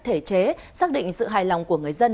thể chế xác định sự hài lòng của người dân